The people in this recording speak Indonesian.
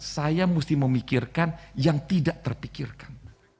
saya mesti memikirkan yang tidak terpikirkan